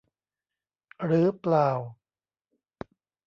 หรือเปล่า